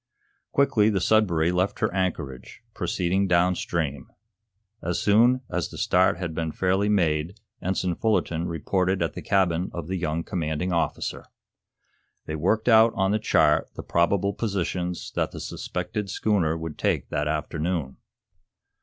Quickly the "Sudbury" left her anchorage, proceeding downstream. As soon as the start had been fairly made Ensign Fullerton reported at the cabin of the young commanding officer. They worked out on the chart the probable positions that the suspected schooner would take that afternoon.